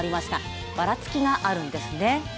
ばらつきがあるんですね。